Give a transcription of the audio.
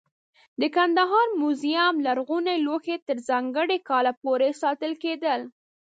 د کندهار موزیم لرغوني لوښي تر ځانګړي کال پورې ساتل کېدل.